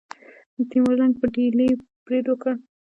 تیمور لنګ په ډیلي برید وکړ.